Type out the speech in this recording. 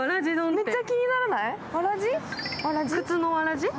めっちゃ気にならない？